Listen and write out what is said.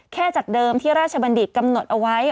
จากเดิมที่ราชบัณฑิตกำหนดเอาไว้